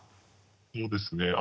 そうですね。